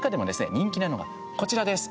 人気なのが、こちらです。